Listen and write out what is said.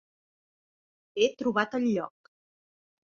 He trobat el lloc.